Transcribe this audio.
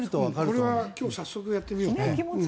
これは今日早速やってみよう。